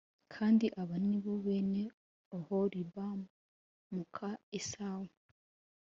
Kandi aba ni bo bene Oholibama muka Esawu